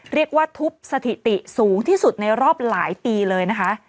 เรียกว่าทุบสถิติสูงที่สุดในรอบหลายปีเลยนะคะ